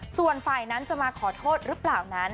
ส่วนฝ่ายนั้นจะมาขอโทษหรือเปล่านั้น